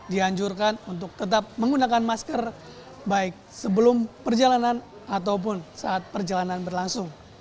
dianjurkan untuk tetap menggunakan masker baik sebelum perjalanan ataupun saat perjalanan berlangsung